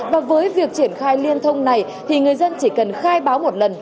và với việc triển khai liên thông này thì người dân chỉ cần khai báo một lần